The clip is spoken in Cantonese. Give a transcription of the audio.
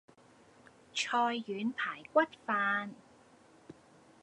菜遠排骨飯